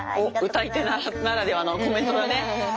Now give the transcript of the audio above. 歌い手ならではのコメントだね。